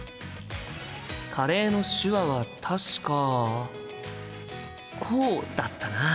カレーの手話は確かこうだったな。